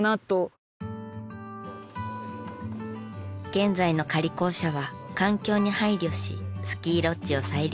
現在の仮校舎は環境に配慮しスキーロッジを再利用。